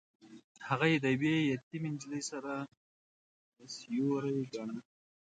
هغه يې د يوې يتيمې نجلۍ د سر سيوری ګاڼه.